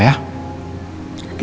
gak apa apa ya